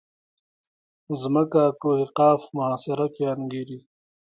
ځمکه کوه قاف محاصره کې انګېري.